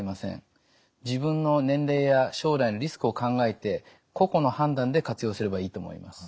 自分の年齢や将来のリスクを考えて個々の判断で活用すればいいと思います。